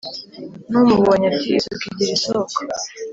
n’umubonye ati”isuku igira isoko”